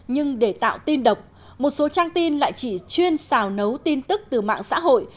nhưng để tạo tin độc một số trang tin lại chỉ chuyên xào nấu tin tức từ mạng xã hội